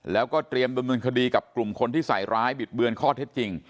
แล้วก็เตรียมดำเนินคดีกับกลุ่มคนที่ใส่ร้ายบิดเบือนข้อเท็จจริง